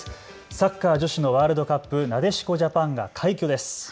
サッカー女子のワールドカップなでしこジャパンが快挙です。